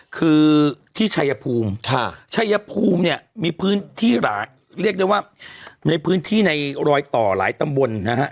คือที่ชัยภูมิชัยภูมิเนี่ยมีพื้นที่เรียกได้ว่าในพื้นที่ในรอยต่อหลายตำบลนะฮะ